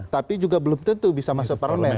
tapi juga belum tentu bisa masuk parlemen